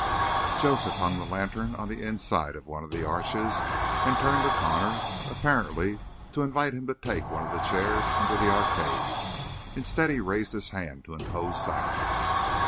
Joseph hung the lantern on the inside of one of the arches and turned to Connor, apparently to invite him to take one of the chairs under the arcade. Instead, he raised his hand to impose silence.